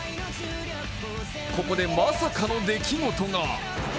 ここでまさかの出来事が。